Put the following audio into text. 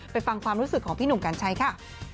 ฟังความรู้สึกของพี่หนุ่มกัญชัยค่ะ